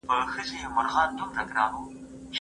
زه هره ورځ د سبا لپاره د تمرينونو بشپړوم!!